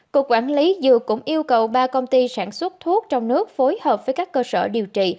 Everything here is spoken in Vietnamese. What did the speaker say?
cục quản lý dược cũng yêu cầu ba công ty sản xuất thuốc trong nước phối hợp với các cơ sở điều trị